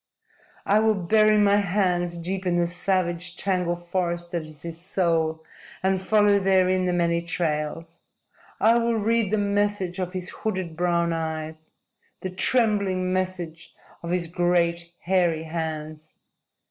"I will bury my hands deep in the savage, tangled forest that is his soul and follow therein the many trails. I will read the message of his hooded, brown eyes, the trembling message of his great, hairy hands.